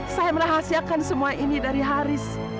saya merahasiakan semua ini dari haris